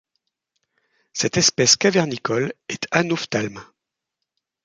Cette espèce cavernicole est anophthalme.